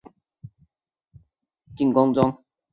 两人在京城遭尚膳监总管海大富擒进宫中。